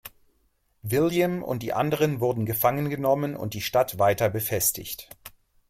William und die anderen wurden gefangen genommen und die Stadt weiter befestigt.